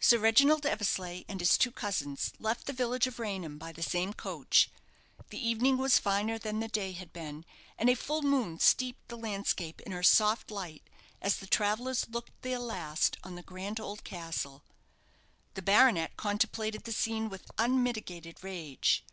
Sir Reginald Eversleigh and his two cousins left the village of Raynham by the same coach. The evening was finer than the day had been, and a full moon steeped the landscape in her soft light, as the travellers looked their last on the grand old castle. The baronet contemplated the scene with unmitigated rage.